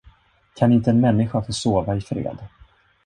Kan inte en människa få sova i fred?